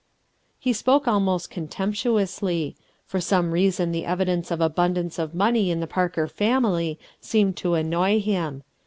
, He spoke almo5t contemptuously; f or some reason the evidence of abundance of money in the Parker family seemed to annoy him.